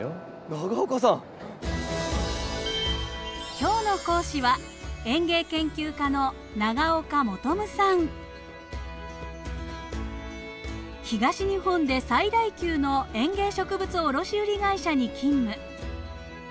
今日の講師は東日本で最大級の園芸植物卸売り会社に勤務。